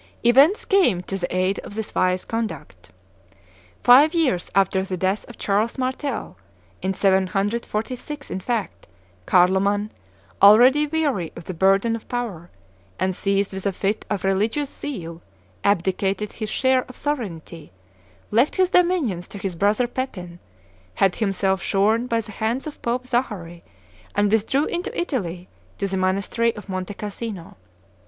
Events came to the aid of this wise conduct. Five years after the death of Charles Martel, in 746 in fact, Carloman, already weary of the burden of power, and seized with a fit of religious zeal, abdicated his share of sovereignty, left his dominions to his brother Pepin, had himself shorn by the hands of Pope Zachary, and withdrew into Italy to the monastery of Monte Cassino.